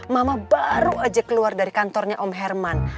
mama baru aja keluar dari kantornya om herman